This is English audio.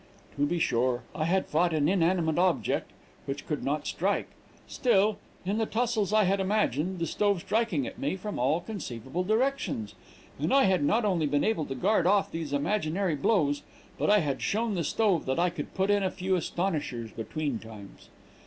"To be sure, I had fought an inanimate object, which could not strike; still, in the tussles I had imagined the stove striking at me from all conceivable directions, and I had not only been able to guard off these imaginary blows, but I had shown the stove that I could put in a few astonishers between times.